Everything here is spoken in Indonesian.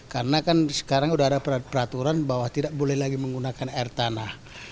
karena kan sekarang udah ada peraturan bahwa tidak boleh lagi menggunakan air tanah